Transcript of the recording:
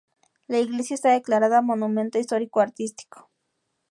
La iglesia está declarada monumento histórico-artístico.